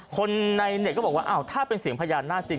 คนในเน็ตก็บอกว่าอ้าวถ้าเป็นเสียงพญานาคจริง